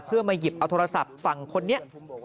เพื่อมาหยิบเอาโทรศัพท์ฝั่งคนนี้